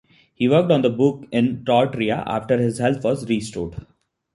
He worked on the book in Tautira after his health was restored.